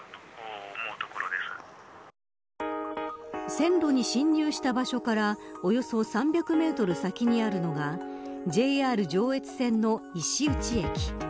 線路に侵入した場所からおよそ３００メートル先にあるのがＪＲ上越線の石打駅。